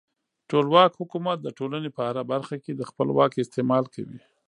ټولواک حکومت د ټولنې په هره برخه کې د خپل واک استعمال کوي.